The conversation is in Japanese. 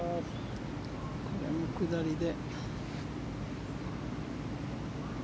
これも下りで。